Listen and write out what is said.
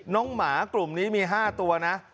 หมากลุ่มนี้มี๕ตัวนะ